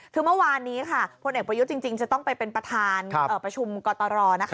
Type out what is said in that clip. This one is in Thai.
คือเมื่อวานนี้ค่ะพลเอกประยุทธ์จริงจะต้องไปเป็นประธานประชุมกตรนะคะ